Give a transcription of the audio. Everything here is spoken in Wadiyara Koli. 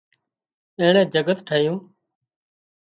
اينڻي جڳت ٺاهيون